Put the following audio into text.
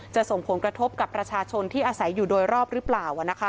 ส่งผลกระทบกับประชาชนที่อาศัยอยู่โดยรอบหรือเปล่า